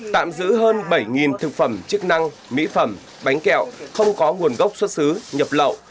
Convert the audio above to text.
tạm giữ hơn bảy thực phẩm chức năng mỹ phẩm bánh kẹo không có nguồn gốc xuất xứ nhập lậu